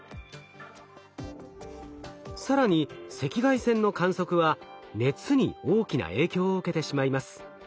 更に赤外線の観測は熱に大きな影響を受けてしまいます。